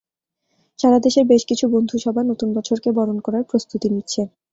সারা দেশের বেশ কিছু বন্ধুসভা নতুন বছরকে বরণ করার প্রস্তুতি নিচ্ছে।